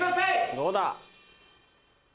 どうだ？